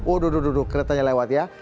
waduh keretanya lewat ya